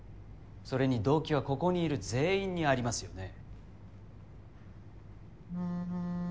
それに動機はここにいる全員にありますよね？